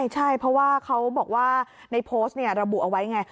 ใช่เพราะว่าเขาบอกว่าในโพสต์ระบุเอาไว้ไง